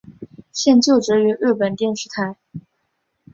现就职于日本电视台。